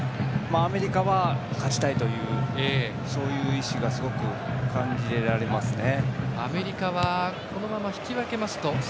アメリカは、勝ちたいという意思がすごく感じられますね。